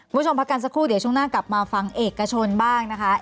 คุณผู้ชมพักกันสักครู่เดี๋ยวช่วงหน้ากลับมาฟังเอกชนบ้างนะคะ